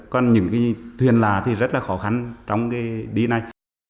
còn những cái thuyền là thì rất là khó khăn trong cái đi này